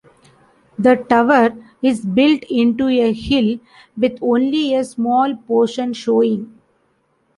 The "tower" is built into a hill with only a small portion showing.